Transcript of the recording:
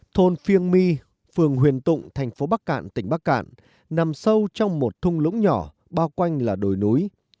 thôn phiêng my phường huyền tụng thành phố bắc cạn tỉnh bắc cạn nằm sâu trong một thung lũng nhỏ bao quanh là đồi núi